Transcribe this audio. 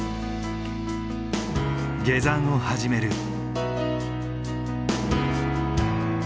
下山を始める。